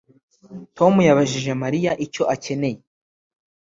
Tom yabajije Mariya icyo akeneye